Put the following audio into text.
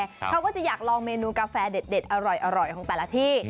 เขาก็จะอยากลองเมนูกาแฟเด็ดอร่อยของแต่ละที่